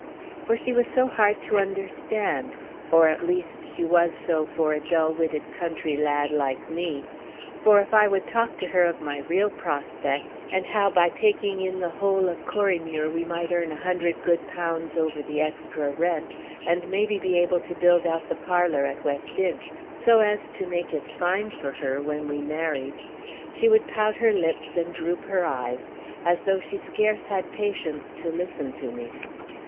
For she was so hard to understand, or, at least, she was so for a dull witted country lad like me. For if I would talk to her of my real prospects, and how by taking in the whole of Corriemuir we might earn a hundred good pounds over the extra rent, and maybe be able to build out the parlour at West Inch, so as to make it fine for her when we married, she would pout her lips and droop her eyes, as though she scarce had patience to listen to me.